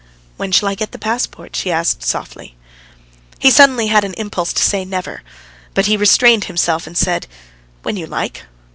"When shall I get the passport?" she asked softly. He suddenly had an impulse to say "Never"; but he restrained himself and said: "When you like."